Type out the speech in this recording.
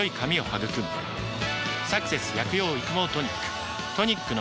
「サクセス薬用育毛トニック」